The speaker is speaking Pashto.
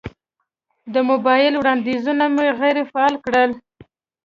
د موبایل وړاندیزونه مې غیر فعال کړل.